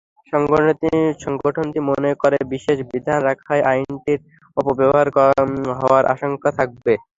সংগঠনটি মনে করে, বিশেষ বিধান রাখায় আইনটির অপব্যবহার হওয়ার আশঙ্কা থাকবে।